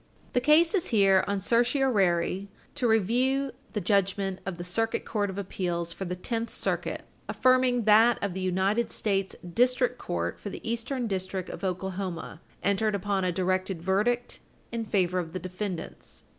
The case is here on certiorari to review the judgment of the Circuit Court of Appeals for the Tenth Circuit affirming that of the United States District Court for the Eastern District of Oklahoma, entered upon a directed verdict in favor of the defendants.